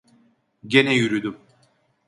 Gene yürüdüm.